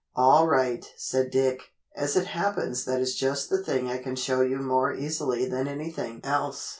"All right," said Dick, "as it happens that is just the thing I can show you more easily than anything else."